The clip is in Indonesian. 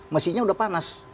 mesinya udah panas